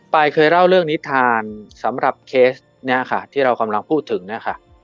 เคยเล่าเรื่องนิทานสำหรับเคสนี้ค่ะที่เรากำลังพูดถึงนะคะ